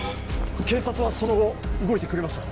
警察はその後動いてくれましたか？